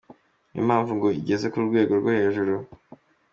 Ni yo mpamvu ngo igeze ku rwego rwo hejuru.